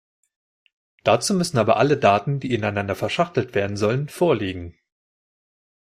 Dazu müssen aber alle Daten, die ineinander verschachtelt werden sollen, vorliegen.